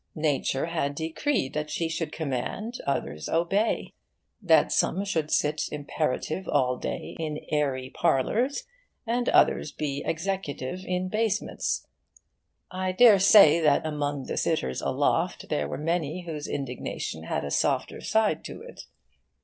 Nature had decreed that some should command, others obey; that some should sit imperative all day in airy parlours, and others be executive in basements. I daresay that among the sitters aloft there were many whose indignation had a softer side to it.